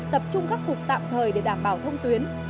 tập trung khắc phục tạm thời để đảm bảo thông tuyến